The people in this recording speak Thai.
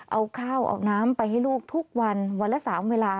เอาข้าวเอาน้ำไปให้ลูกทุกวันวันละ๓เวลา